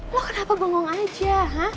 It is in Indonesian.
lo kenapa gonggong aja